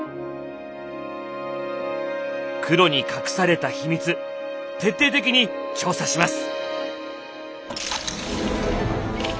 「黒」に隠された秘密徹底的に調査します！